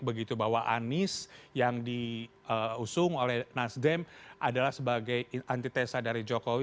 begitu bahwa anies yang diusung oleh nasdem adalah sebagai antitesa dari jokowi